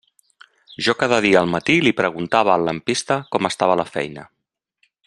Jo cada dia al matí li preguntava al lampista com estava la feina.